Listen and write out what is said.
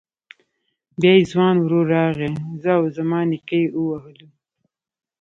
بيا يې ځوان ورور راغی زه او زما نيکه يې ووهلو.